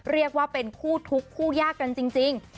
เรียกว่าเป็นคู่ทุกข์คู่ยากกันจริง